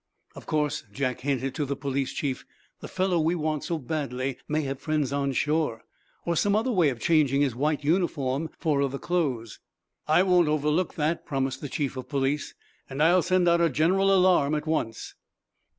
"Of course," Jack hinted to the police chief, "the fellow we want so badly may have friends on shore, or some other way of changing his white uniform for other clothes." "I won't overlook that," promised the chief of police. "And I'll send out a general alarm at once."